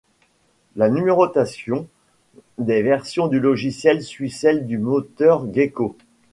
La numérotation des versions du logiciel suit celle du moteur Gecko.